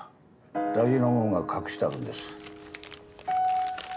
大事なもんが隠してあるんです。